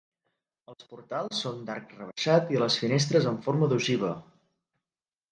Els portals són d'arc rebaixat i les finestres en forma d'ogiva.